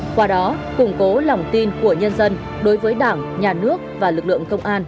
qua đó củng cố lòng tin của nhân dân đối với đảng nhà nước và lực lượng công an